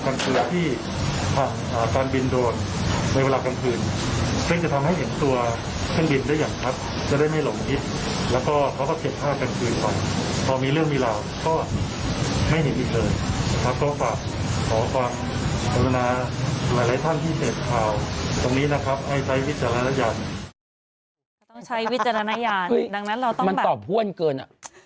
ต้องใช้วิจารณ์ดังนั้นเรามันตอบห้วนเกินอ่ะ